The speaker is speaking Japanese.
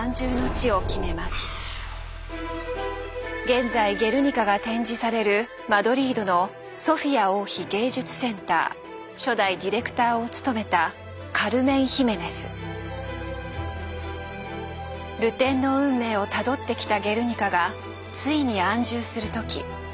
現在「ゲルニカ」が展示されるマドリードのソフィア王妃芸術センター初代ディレクターを務めた流転の運命をたどってきた「ゲルニカ」がついに安住する時。